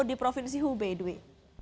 di provinsi hubei